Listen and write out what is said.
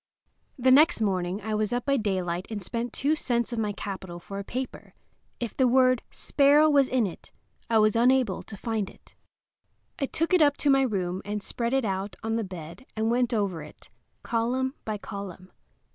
The next morning I was up by daylight and spent two cents of my capital for a paper. If the word "sparrow" was in it I was unable to find it. I took it up to my room and spread it out on the bed and went over it, column by column.